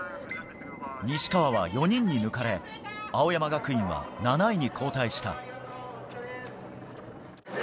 西川は４人に抜かれ、青山学院は７位に後退した。